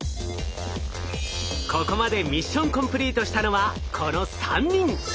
ここまでミッションコンプリートしたのはこの３人。